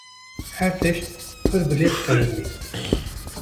Her tişt pir bilez qewimî.